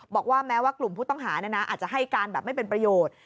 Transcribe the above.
บอกว่าแม้ว่ากลุ่มผู้ต้องหาอาจจะให้การแบบไม่เป็นประโยชน์